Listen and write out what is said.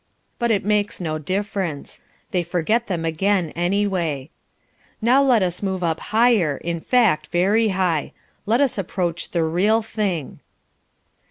But it makes no difference. They forget them again anyway. Now let us move up higher, in fact, very high. Let us approach the real thing.